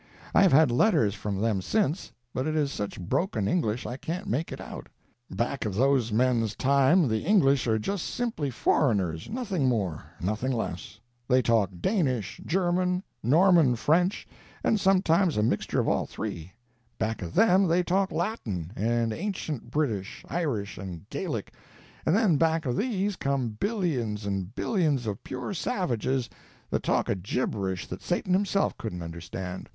I have had letters from them since, but it is such broken English I can't make it out. Back of those men's time the English are just simply foreigners, nothing more, nothing less; they talk Danish, German, Norman French, and sometimes a mixture of all three; back of them, they talk Latin, and ancient British, Irish, and Gaelic; and then back of these come billions and billions of pure savages that talk a gibberish that Satan himself couldn't understand.